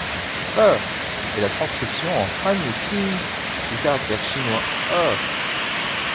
Èr est la transcription en hanyu pinyin du caractère chinois 二.